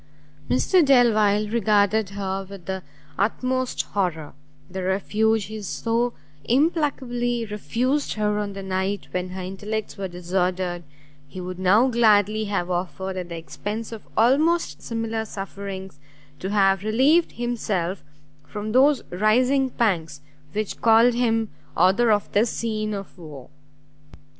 Mr Delvile regarded her with the utmost horror: the refuge he so implacably refused her on the night when her intellects were disordered, he would now gladly have offered at the expence of almost similar sufferings, to have relieved himself from those rising pangs which called him author of this scene of woe.